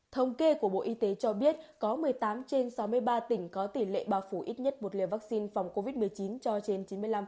thống kê của bộ y tế cho biết có một mươi tám trên sáu mươi ba tỉnh có tỷ lệ bao phủ ít nhất một liều vaccine phòng covid một mươi chín cho trên chín mươi năm